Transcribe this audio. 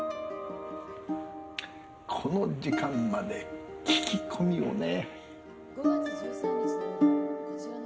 この時間まで聞き込みをね。